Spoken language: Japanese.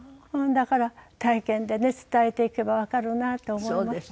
だから体験でね伝えていけばわかるなあと思いました。